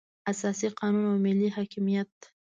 اساسي قانون او ملي حاکمیت.